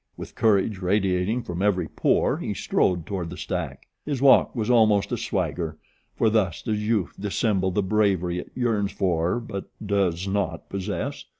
With courage radiating from every pore he strode toward the stack. His walk was almost a swagger, for thus does youth dissemble the bravery it yearns for but does not possess.